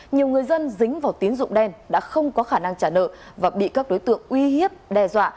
nhiều người dân dính vào tiến dụng đen đã không có khả năng trả nợ và bị các đối tượng uy hiếp đe dọa